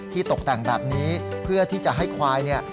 ตกแต่งแบบนี้เพื่อที่จะให้ควายเนี่ย